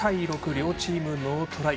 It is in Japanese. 両チーム、ノートライ。